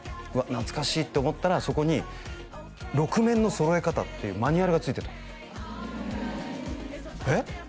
懐かしいって思ったらそこに６面の揃え方っていうマニュアルがついてたへええっ？